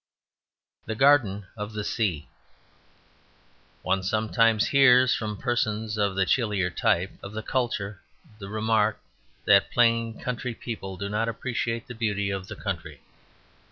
The Garden of the Sea One sometimes hears from persons of the chillier type of culture the remark that plain country people do not appreciate the beauty of the country.